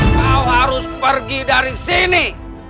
kau harus pergi dari sini